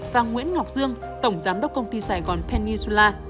và nguyễn ngọc dương tổng giám đốc công ty sài gòn penezula